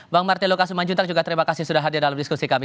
bang martin luka sumanjuntak juga terima kasih sudah hadir dalam diskusi kami